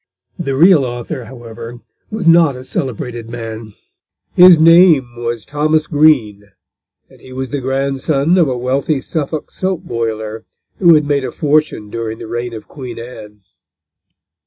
The real author, however, was not a celebrated man. His name was Thomas Green, and he was the grandson of a wealthy Suffolk soap boiler, who had made a fortune during the reign of Queen Anne.